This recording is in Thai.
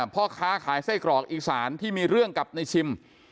พ่อค้าขายไส้กรอกอีสานที่มีเรื่องกับในชิม